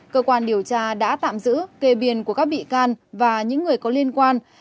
cơ quan điều tra đã tạm giữ kề biển của các bị can và những người có liên quan